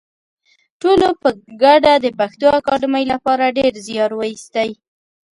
ټولو په ګډه د پښتو اکاډمۍ لپاره ډېر زیار وایستی